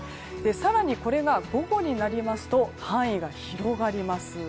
更に、これが午後になりますと範囲が広がります。